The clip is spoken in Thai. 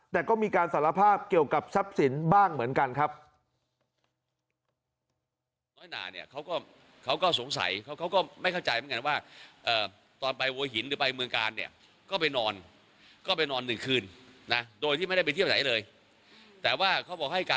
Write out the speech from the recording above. แต่ก็มีการสารภาพเกี่ยวกับทรัพย์สินบ้างเหมือนกันครับ